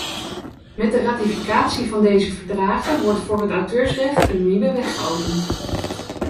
Met de ratificatie van deze verdragen wordt voor het auteursrecht een nieuwe weg geopend.